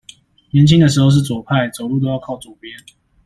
年輕的時候是左派，走路都要靠左邊